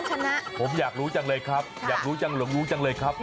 สวัสดีค่ะน้องชนะผมอยากรู้จังเลยครับอยากรู้จังเลยครับ